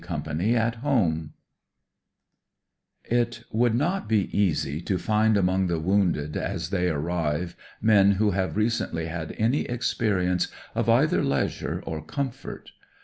COMPANY AT HOME It would not be easy to find among the wounded as they arrive men who have recently had any experience of either leisure or comfort.